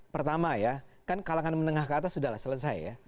pertama ya kan kalangan menengah ke atas sudah lah selesai ya